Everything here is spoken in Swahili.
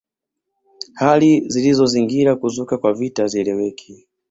Hali zilizozingira kuzuka kwa vita hazieleweki